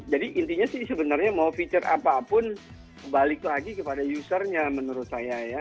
jadi intinya sih sebenarnya mau fitur apapun balik lagi kepada usernya menurut saya ya